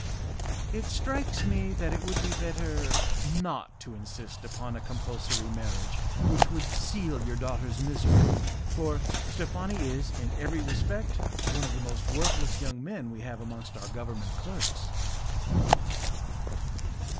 "It strikes me that it would be better not to insist upon a compulsory marriage which would seal your daughter's misery, for Steffani is, in every respect, one of the most worthless young men we have amongst our government clerks."